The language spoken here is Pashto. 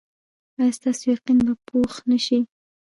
ایا ستاسو یقین به پوخ نه شي؟